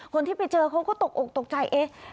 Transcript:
คนที่ไปเจอเขาก็ตกออกตกใจ